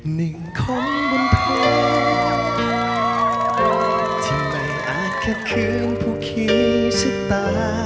หนึ่งคนบนเพลงที่ไม่อาจแค่เครื่องผู้ขี้ชะตา